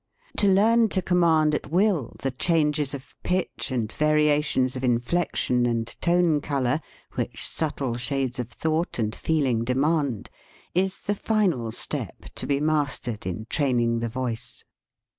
To learn to com mand at will the changes of pitch and varia tions of inflection and tone color which subtle 36 DISCUSSION shades of thought and feeling demand, is the final step to be mastered in training the voice.